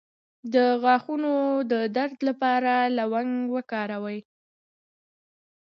د غاښونو د درد لپاره لونګ وکاروئ